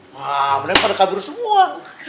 wah bener bener pada kabur semua